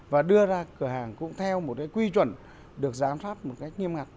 và đưa ra cửa hàng cũng theo một cái quy chuẩn được giám sát một cách nghiêm ngặt